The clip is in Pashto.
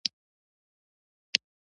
دا سیمه د دې ولسوالۍ ترټولو لوړه سیمه ده